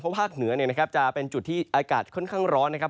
เพราะภาคเหนือเนี่ยนะครับจะเป็นจุดที่อากาศค่อนข้างร้อนนะครับ